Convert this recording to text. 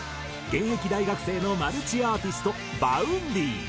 現役大学生のマルチアーティストＶａｕｎｄｙ。